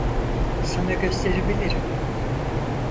Sana gösterebilirim.